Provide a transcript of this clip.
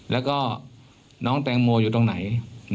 แล้วก็น้องแตงโมอยู่ตรงไหน